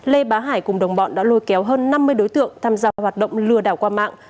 lê bá hải cùng đồng bọn đã lôi kéo hơn năm mươi đối tượng tham gia hoạt động lừa đảo qua mạng